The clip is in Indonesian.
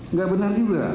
nggak benar juga